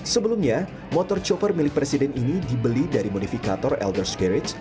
sebelumnya motor chopper milik presiden ini dibeli dari modifikator elderskridge